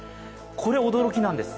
これ、驚きなんです。